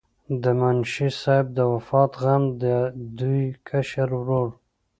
د منشي صاحب د وفات غم د دوي کشر ورور